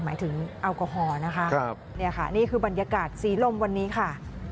หมายถึงแอลกอฮอล์นะคะเนี่ยค่ะนี่คือบรรยากาศสีลมวันนี้ค่ะ